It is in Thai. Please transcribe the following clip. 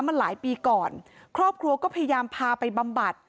มาหลายปีก่อนครอบครัวก็พยายามพาไปบำบัด